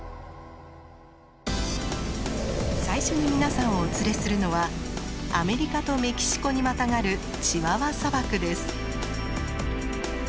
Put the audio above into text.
最初に皆さんをお連れするのはアメリカとメキシコにまたがるチワワ砂漠です。